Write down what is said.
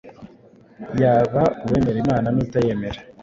yaba uwemera Imana n’utayemera